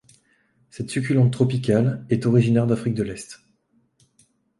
Cette succulente tropicale est originaire d'Afrique de l'est.